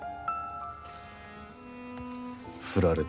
振られた。